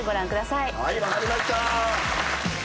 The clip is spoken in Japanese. はい分かりました。